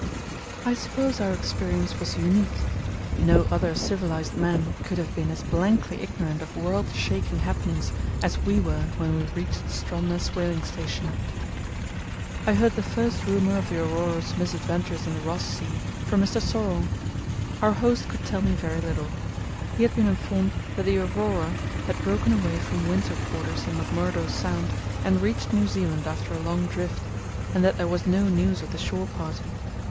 I suppose our experience was unique. No other civilized men could have been as blankly ignorant of world shaking happenings as we were when we reached Stromness Whaling Station. [Illustration: The Yelcho] I heard the first rumour of the Aurora's misadventures in the Ross Sea from Mr. Sorlle. Our host could tell me very little. He had been informed that the Aurora had broken away from winter quarters in McMurdo Sound and reached New Zealand after a long drift, and that there was no news of the shore party.